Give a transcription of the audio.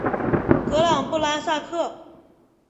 格朗布拉萨克。